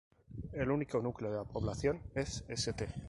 El único núcleo de población es St.